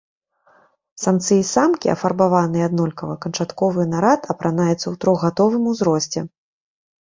Самцы і самкі афарбаваныя аднолькава, канчатковы нарад апранаецца ў трохгадовым узросце.